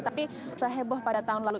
tapi seheboh pada tahun lalu